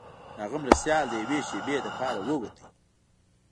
د هغه مرستیال د یوې شیبې لپاره ووت.